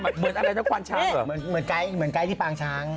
เหมือนอะไรนะกวันช้างเหมือนใกล้ที่ปางช้าง